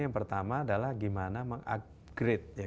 yang pertama adalah gimana meng upgrade